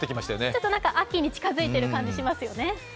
ちょっと秋に近づいている感じしますよね。